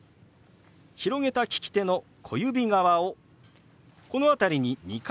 広げた利き手の小指側をこの辺りに２回当てます。